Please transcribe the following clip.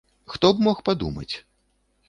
Хто б мог падумаць.